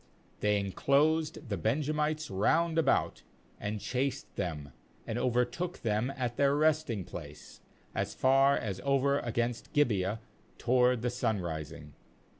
^They inclosed the Benjamites round about, and chased them, and overtook them at their resting place, as far as over against Gibeah toward the sunrising.